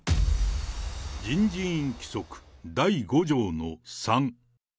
人事院規則第５条の３。